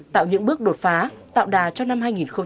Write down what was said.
tạo những bước đột phá tạo đà cho năm hai nghìn hai mươi